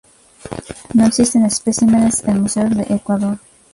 No existen especímenes en museos de Ecuador.